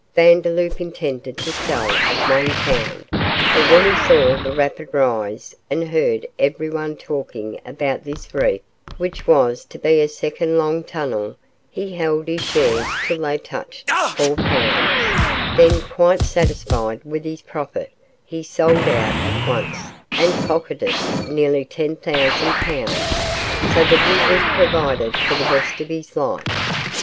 Vandeloup intended to sell at one pound, but when he saw the rapid rise and heard everyone talking about this Reef, which was to be a second Long Tunnel, he held his shares till they touched four pounds, then, quite satisfied with his profit, he sold out at once and pocketed nearly ten thousand pounds, so that he was provided for the rest of his life.